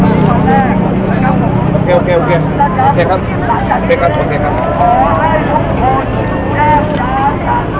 และนี้ก็คือการคำสงสัยที่โดนแทนจากสถานทุนตามตามครามคำคาญคุศีพราช